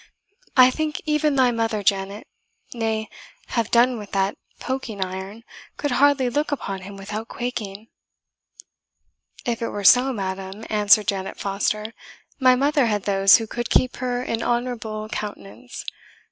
I think even thy mother, Janet nay, have done with that poking iron could hardly look upon him without quaking." "If it were so, madam," answered Janet Foster, "my mother had those who could keep her in honourable countenance.